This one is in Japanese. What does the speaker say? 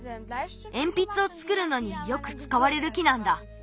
えんぴつをつくるのによくつかわれる木なんだ。